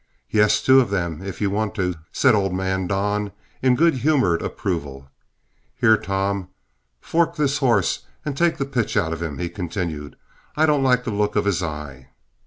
"Yes, two of them if you want to," said old man Don, in good humored approval. "Here, Tom, fork this horse and take the pitch out of him," he continued; "I don't like the look of his eye."